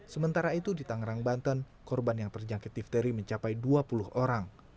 sementara itu di tangerang banten korban yang terjangkit difteri mencapai dua puluh orang